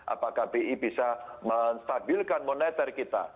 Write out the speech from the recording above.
apakah bi bisa menstabilkan moneter kita